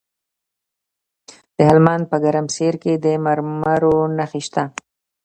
د هلمند په ګرمسیر کې د مرمرو نښې شته.